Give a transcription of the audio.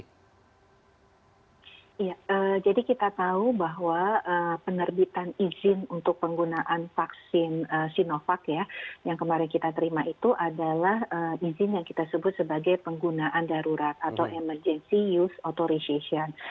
iya jadi kita tahu bahwa penerbitan izin untuk penggunaan vaksin sinovac ya yang kemarin kita terima itu adalah izin yang kita sebut sebagai penggunaan darurat atau emergency use authorization